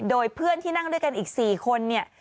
โดยเพื่อนที่นั่งด้วยกันอีก๔คนเนี่ย